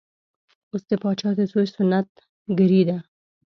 اوس د پاچا د زوی سنت ګري ده.